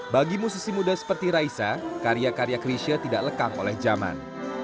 bagi musisi muda seperti raisa karya karya krisha tidak lekang oleh zaman